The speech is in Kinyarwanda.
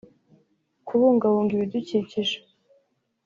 kubungabunga ibidukikije